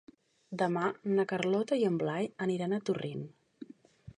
Demà na Carlota i en Blai aniran a Torrent.